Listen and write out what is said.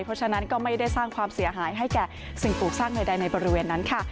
เพราะฉะนั้นก็ไม่ได้สร้างความเสียหายให้แก่สิ่งปลูกสร้างใดในบริเวณนั้นค่ะ